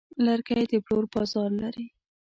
لرګی د پلور بازار لري.